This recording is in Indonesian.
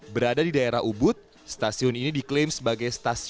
berada di daerah ubud stasiun ini diklaim sebagai stasiun